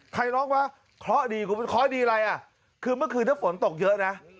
ใครร้องวะคล้อดีคล้อดีอะไรอ่ะคือเมื่อคืนถ้าฝนตกเยอะนะ